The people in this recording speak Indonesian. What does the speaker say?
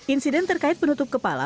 insiden terkait penutup kepala